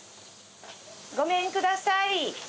ごめんください。